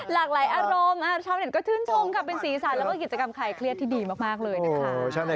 หลากหลายอารมณ์ชาวเน็ตก็ชื่นชมค่ะเป็นสีสันแล้วก็กิจกรรมคลายเครียดที่ดีมากเลยนะคะ